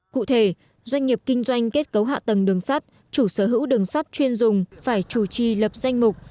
cụ thể doanh nghiệp kinh doanh kết cấu hạ tầng đường sắt chủ sở hữu đường sắt chuyên dùng phải chủ trì lập danh mục